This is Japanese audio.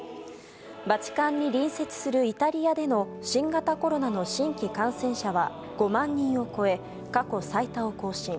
バチカンに隣接するイタリアでの新型コロナの新規感染者は５万人を超え、過去最多を更新。